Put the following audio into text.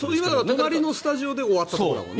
隣のスタジオで終わったところだもんね。